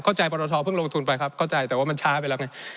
เข้าใจปรทอเพิ่งลงทุนไปครับเข้าใจแต่ว่ามันช้าไปแล้วไง